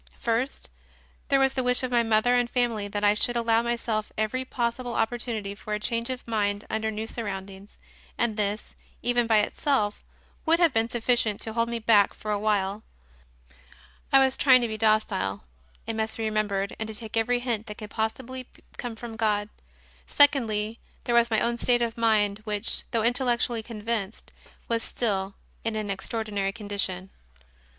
First, there was the wish of my mother and family that I should allow myself every possible opportunity for a change of mind under new surroundings, and this, even, by itself, would have been sufficient to hold me back for a while. I was trying to be docile, it must be remem bered, and to take every hint that could possibly come from God. Secondly, there was my own state of mind, which, though intellectually convinced, was still in an extraordinary condition.